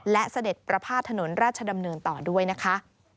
และเสด็จประพาทถนนราชดำเนินต่อด้วยนะคะ